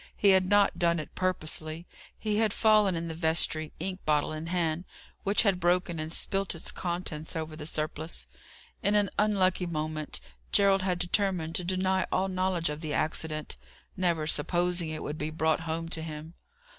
He had not done it purposely. He had fallen in the vestry, ink bottle in hand, which had broken and spilt its contents over the surplice. In an unlucky moment, Gerald had determined to deny all knowledge of the accident, never supposing it would be brought home to him.